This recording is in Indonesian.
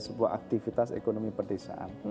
sebuah aktivitas ekonomi perdesaan